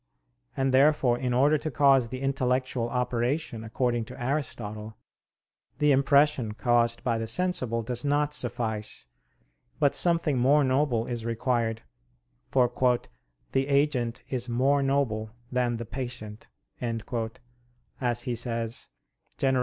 And therefore in order to cause the intellectual operation according to Aristotle, the impression caused by the sensible does not suffice, but something more noble is required, for "the agent is more noble than the patient," as he says (De Gener.